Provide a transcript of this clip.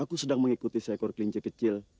aku sedang mengikuti seekor kelinci kecil